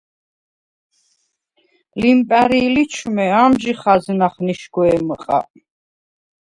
ლიმპა̈რი̄ ლიჩვმე ამჟი ხაზნახ ნიშგვეჲმჷყ-ა: